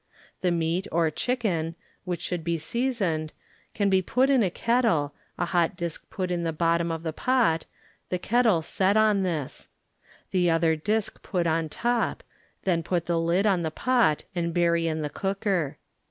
The meat or chicken, which should be sea soned, can be put in a kettle, a hot disk put in the bottom of the pot. the kettle set on this; the other dbk put on top, then put the Ud on the pot and bury in the cooker.